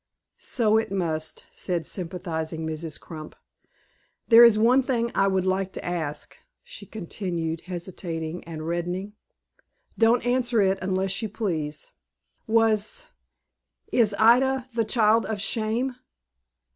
"So it must," said sympathizing Mrs. Crump. "There is one thing I would like to ask," she continued, hesitating and reddening. "Don't answer it unless you please. Was is Ida the child of shame?"